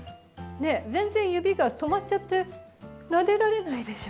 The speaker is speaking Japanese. ねえ全然指が止まっちゃってなでられないでしょ？